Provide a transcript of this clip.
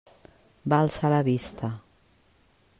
Va alçar la vista.